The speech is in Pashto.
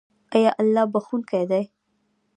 آیا الله بخښونکی دی؟